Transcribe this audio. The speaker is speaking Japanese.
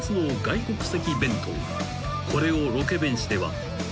［これをロケ弁史では］